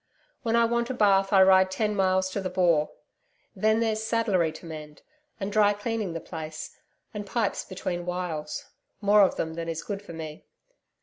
When I want a bath I ride ten miles to the bore. Then there's saddlery to mend, and dry cleaning the place and pipes between whiles more of them than is good for me.